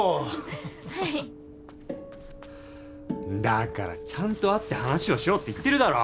だからちゃんと会って話をしようって言ってるだろ。